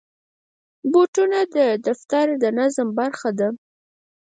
بوټونه د دفتر د نظم برخه ده.